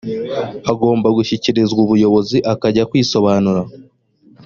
agomba gushyikirizwa ubuyobozi akajya kwisobanura